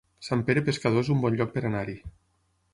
Sant Pere Pescador es un bon lloc per anar-hi